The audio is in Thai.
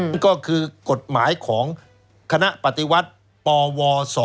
นั่นก็คือกษมัณฑ์ของคณะปฏิวัติปว๒๘๖